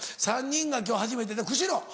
３人が今日初めてで久代。